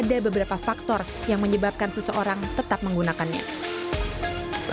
namun pengetahuan tersebut tidak menghalangi mereka untuk mencicipi narkoba